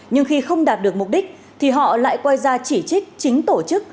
nhưng khi không đạt được mục đích thì họ lại quay ra chỉ trích chính tổ chức